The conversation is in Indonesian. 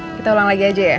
oke kita ulang lagi aja ya